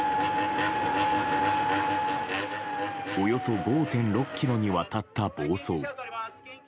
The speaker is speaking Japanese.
およそ５．６ｋｍにわたった暴走。